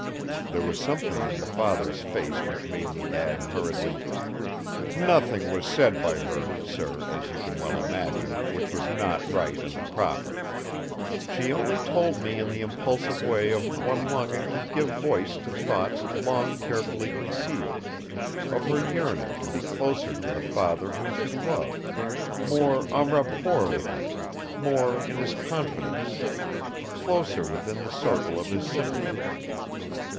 There was something in the father's face which made me add hurriedly: "Nothing was said by her, sir, as you can well imagine, which was not right and proper. She only told me in the impulsive way of one longing to give voice to thoughts long carefully concealed, of her yearning to be closer to the father whom she loved; more en rapport with him; more in his confidence; closer within the circle of his sympathies.